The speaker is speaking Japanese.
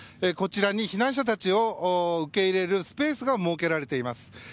こちらに避難者たちを受け入れるスペースが設けられています。